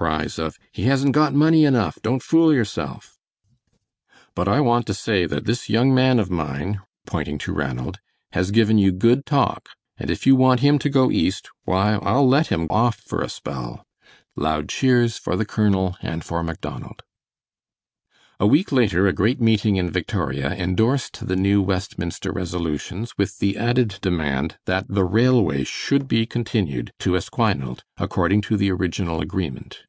(Cries of "He hasn't got money enough. Don't fool yourself.") "But I want to say that this young man of mine," pointing to Ranald, "has given you good talk, and if you want him to go East, why, I'll let him off for a spell." (Loud cheers for the colonel and for Macdonald.) A week later a great meeting in Victoria indorsed the New Westminster resolutions with the added demand that the railway should be continued to Esquinalt according to the original agreement.